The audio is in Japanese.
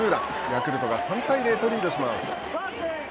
ヤクルトが３対０とリードします。